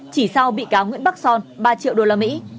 chỉ sau bị cáo nguyễn bắc son ba triệu đô la mỹ